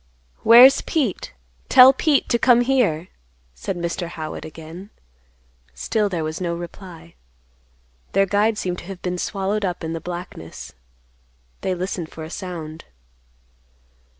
"Where's Pete? Tell Pete to come here," said Mr. Howitt again. Still there was on reply. Their guide seemed to have been swallowed up in the blackness. They listened for a sound.